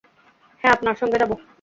হ্যাঁ, আপনার সঙ্গে যাব।